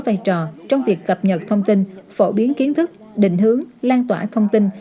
vai trò trong việc cập nhật thông tin phổ biến kiến thức định hướng lan tỏa thông tin